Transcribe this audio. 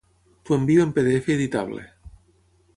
T'ho envio en pdf editable